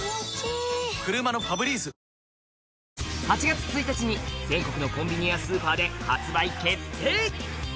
８月１日に全国のコンビニやスーパーで発売決定！